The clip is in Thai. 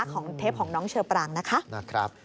เทปของน้องเชอปรางนะคะ